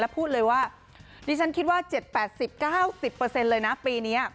พูดเลยว่าดิฉันคิดว่า๗๘๐๙๐เลยนะปีนี้